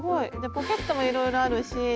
ポケットもいろいろあるし。